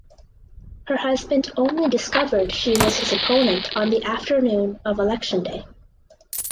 Her husband only discovered she was his opponent on the afternoon of election day.